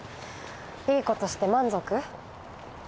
いい事して満足？